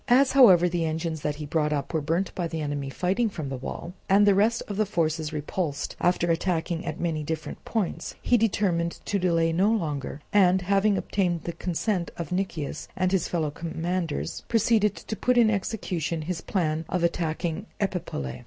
As however the engines that he brought up were burnt by the enemy fighting from the wall, and the rest of the forces repulsed after attacking at many different points, he determined to delay no longer, and having obtained the consent of Nicias and his fellow commanders, proceeded to put in execution his plan of attacking Epipolae.